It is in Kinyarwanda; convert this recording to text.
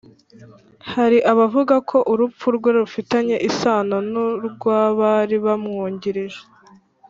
hari abavuga ko urupfu rwe rufitanye isano n'urw'abari bamwungirije,